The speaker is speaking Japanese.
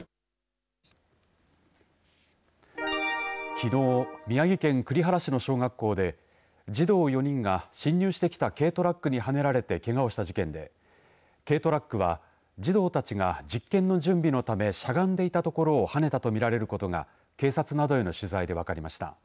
きのう宮城県栗原市の小学校で児童４人が侵入してきた軽トラックにはねられてけがをした事件で軽トラックは児童たちが実験の準備のためしゃがんでいたところをはねたと見られることが警察などへの取材で分かりました。